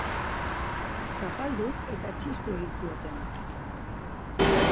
Zapaldu eta txistu egin zioten.